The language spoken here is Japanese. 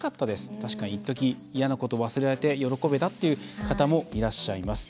確かに一時嫌なことを忘れて喜べたという方もいらっしゃいます。